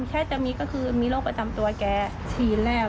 แค่จะมีก็คือมีโรคประจำตัวแกฉีดแล้ว